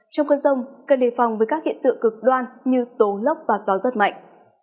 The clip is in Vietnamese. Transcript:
trong cơn rông cần đề phòng với các hiện tượng cực đoan như tố lốc và gió rất mạnh